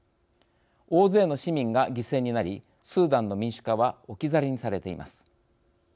大勢の市民が犠牲になりスーダンの民主化は置き去りにされています。